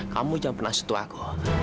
kamu jangan pernah setuaku